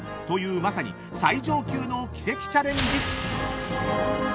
［というまさに最上級の奇跡チャレンジ］